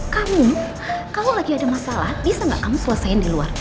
kamu kalau lagi ada masalah bisa nggak kamu selesaikan di luar